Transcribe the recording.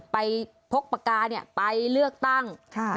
พกปากกาไปเลือกตั้ง